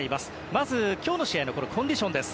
まず今日の試合のコンディションです。